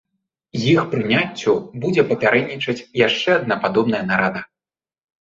Іх прыняццю будзе папярэднічаць яшчэ адна падобная нарада.